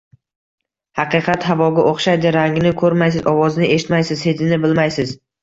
Haqiqat havoga o’xshaydi. Rangini ko’rmaysiz. Ovozini eshitmaysiz. Hidini bilmaysiz…